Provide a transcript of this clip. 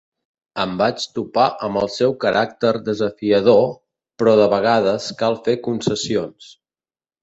Em vaig topar amb el seu caràcter desafiador, però de vegades cal fer concessions.